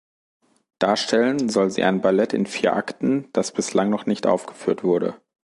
Darstellen soll sie ein Ballett in vier Akten, das bislang noch nicht aufgeführt wurde.